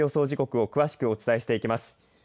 時刻を詳しくお伝えしていきます。